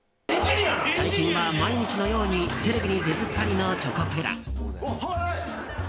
最近は毎日のようにテレビに出ずっぱりのチョコプラ。